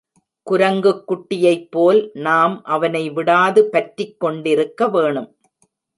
குரங்குக் குட்டியைப் போல் நாம் அவனை விடாது பற்றிக் கொண்டிருக்க வேணும்.